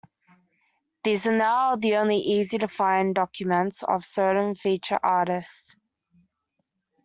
These are now the only easy-to-find documents of certain featured artists.